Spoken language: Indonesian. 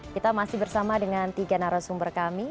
kita masih bersama dengan tiga narasumber kami